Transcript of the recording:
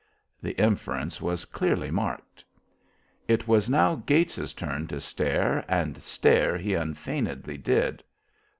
The inference was clearly marked. It was now Gates's turn to stare, and stare he unfeignedly did.